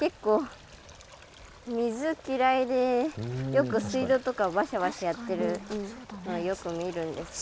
よく水道とかをバシャバシャやってるのはよく見るんですよ。